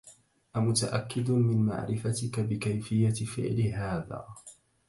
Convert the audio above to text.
أمتأكد من معرفتك بكيفية فعل هذا؟